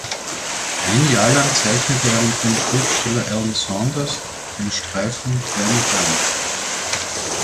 Ein Jahr lang zeichnete er mit dem Schriftsteller Allen Saunders den Streifen „Dan Dunn“.